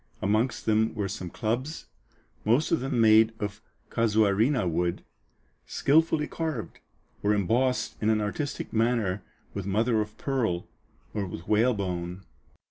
Amongst them were some clubs, most of them made of casuarina wood, skilfully carved, or embossed in an artistic manner with mother of pearl or with whalebone.